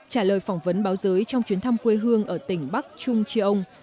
trả lời phỏng vấn báo giới trong chuyến thăm quê hương ở tỉnh bắc trung chi ông